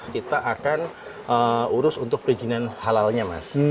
kita akan urus untuk perizinan halalnya mas